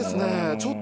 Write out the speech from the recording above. ちょっと。